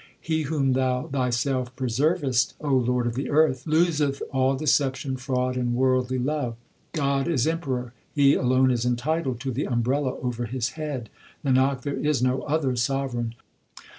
He whom Thou Thyself preservest, O Lord of the earth, Loseth all deception, fraud, and worldly love. God is emperor ; He alone is entitled to the umbrella over His head : Nanak, there is no other sovereign.